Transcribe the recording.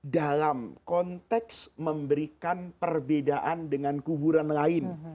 dalam konteks memberikan perbedaan dengan kuburan lain